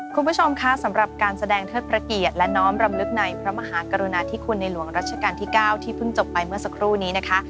คุณผู้ชมคะสำหรับการแสดงเทิดพระเกียรติและน้อมรำลึกในพระมหากรุณาธิคุณในหลวงรัชกาลที่๙ที่เพิ่งจบไปเมื่อสักครู่นี้นะคะ